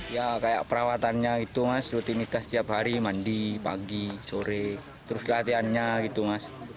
ya kayak perawatannya itu mas rutinitas setiap hari mandi pagi sore terus latihannya gitu mas